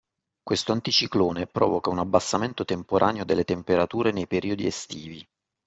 Questo anticiclone provoca un abbassamento temporaneo delle temperature nei periodi estivi.